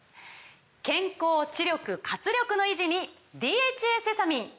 健康・知力・活力の維持に「ＤＨＡセサミン」！